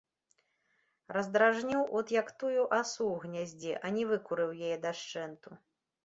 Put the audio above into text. Раздражніў, от як тую асу ў гняздзе, а не выкурыў яе дашчэнту.